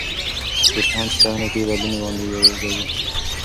ژبپوهان چې څېړنه کوي، بدلون وړاندیزوي.